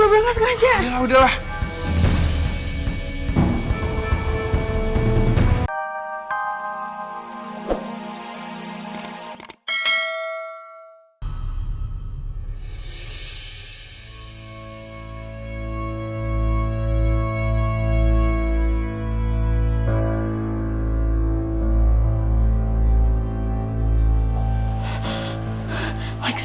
ibu ngapain di rumah sakit